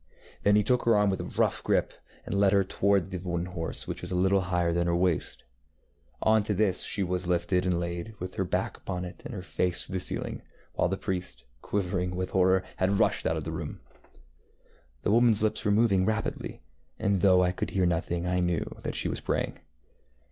Then he took her arm with a rough grip and led her toward the wooden horse, which was little higher than her waist. On to this she was lifted and laid, with her back upon it, and her face to the ceiling, while the priest, quivering with horror, had rushed out of the room. The womanŌĆÖs lips were moving rapidly, and though I could hear nothing, I knew that she was praying.